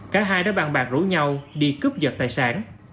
cả hai đã bàn bạc rủ nhau đi cướp dật tài sản